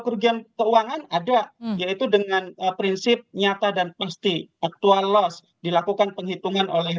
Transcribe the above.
kerugian keuangan ada yaitu dengan prinsip nyata dan pasti aktual loss dilakukan penghitungan oleh